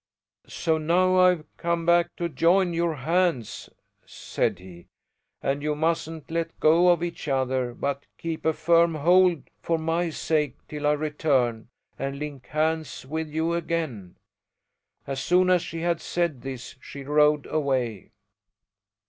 "'So now I've come back to join your hands,' said he, 'and you mustn't let go of each other, but keep a firm hold for my sake till I return and link hands with you again.' As soon as she had said this she rowed away."